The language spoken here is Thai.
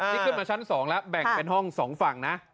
นี่ขึ้นมาชั้น๒แล้วแบ่งเป็นห้อง๒ฝั่งนะ